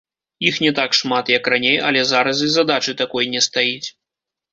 Іх не так шмат, як раней, але зараз і задачы такой не стаіць.